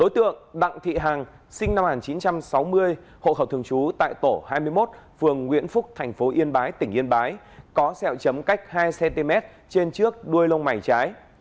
đối tượng đặng thị hàng sinh năm một nghìn chín trăm sáu mươi hộ khẩu thường trú tại tổ hai mươi một phường nguyễn phúc thành phố yên bái tỉnh yên bái có xeo chấm cách hai cm trên trước đuôi lông mày trái